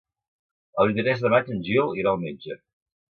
El vint-i-tres de maig en Gil irà al metge.